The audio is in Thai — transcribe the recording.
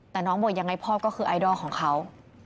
แต่น้องบอกยังไงพ่อก็คือไอดอลของเขา